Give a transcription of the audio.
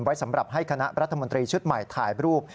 ไว้สำหรับให้คณะรัฐมนตรีชุดใหม่ถ่ายรูป